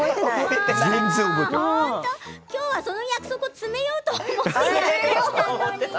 今日はその約束詰めようと思っていたのに。